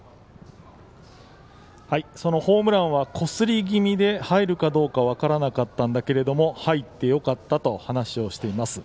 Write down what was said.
そのホームランはこすり気味で入るか分からなかったけど入ってよかったと話をしています。